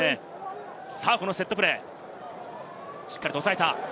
このセットプレー、しっかりと抑えた。